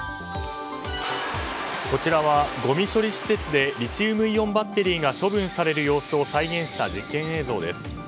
こちらは、ごみ処理施設でリチウムイオンバッテリーが処分される様子を再現した実験映像です。